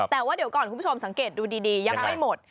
แต่ว่าเดี๋ยวก่อนคุณผู้ชมสังเกตดูดียังไม่หมด